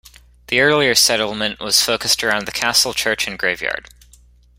The earlier settlement was focused around the castle, church and graveyard.